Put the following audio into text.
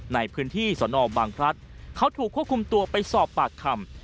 ในพื้นที่สนบางพลัดเขาถูกควบคุมตัวไปสอบปากคำ